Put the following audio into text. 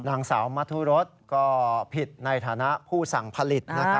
นางสาวมัธุรสก็ผิดในฐานะผู้สั่งผลิต